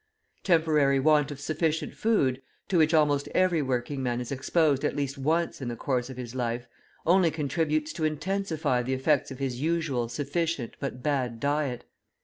Temporary want of sufficient food, to which almost every working man is exposed at least once in the course of his life, only contributes to intensify the effects of his usual sufficient but bad diet.